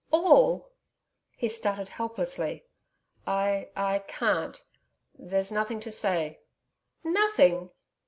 All?' He stuttered, helplessly. 'I I can't.... There's nothing to say.' 'Nothing!